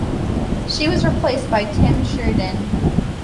She was replaced by Tim Sheridan.